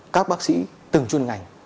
các bác sĩ từng chuyên ngành